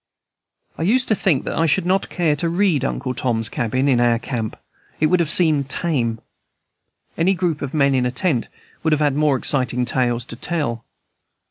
I used to think that I should not care to read "Uncle Tom's Cabin" hi our camp; it would have seemed tame. Any group of men in a tent would have had more exciting tales to tell.